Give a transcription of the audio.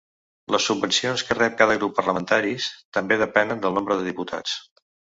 Les subvencions que rep cada grup parlamentaris també depenen del nombre de diputats.